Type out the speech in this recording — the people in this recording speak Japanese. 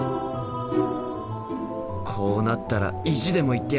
こうなったら意地でも行ってやる！